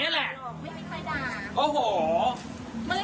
หัวไหล่สั่นอยู่เลย